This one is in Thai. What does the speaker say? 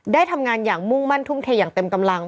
ได้ทำงานอย่างมุ่งมั่นทุ่มเทอย่างเต็มกำลัง